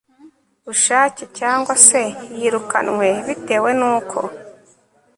bushake cyangwa se yirukanywe bitewe n uko